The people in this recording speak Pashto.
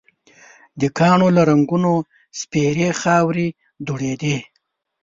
د کاڼو له رنګونو سپېرې خاورې دوړېدلې.